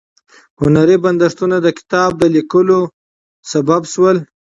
هنري بندښتونه د کتاب د لیکلو لامل شول.